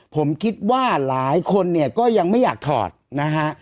ผมคิดว่าหลายคนเนี่ยก็ยังไม่อยากถอดนะฮะ